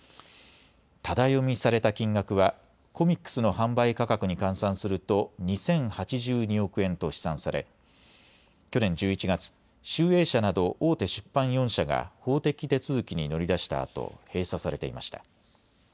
タダ読みされた金額はコミックスの販売価格に換算すると２０８２億円と試算され、去年１１月、集英社など大手出版４社が法的手続きに乗り出したあと、閉鎖されていました。